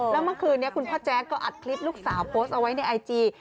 แล้วเมื่อคืนนี้คุณพ่อแจ๊ดก็อัดคลิปลูกสาวโพสต์เอาไว้ในไอจี